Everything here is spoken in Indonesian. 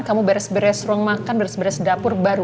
kamu beres beres ruang makan beres beres dapur baru